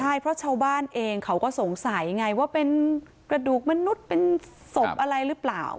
ใช่เพราะชาวบ้านเองเขาก็สงสัยไงว่าเป็นกระดูกมนุษย์เป็นศพอะไรหรือเปล่า